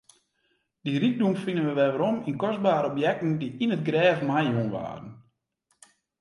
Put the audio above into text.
Dy rykdom fine wy werom yn kostbere objekten dy't yn it grêf meijûn waarden.